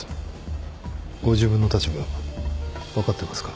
ご自分の立場分かってますか？